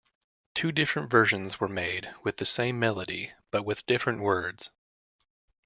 Two different versions were made with the same melody but with different words.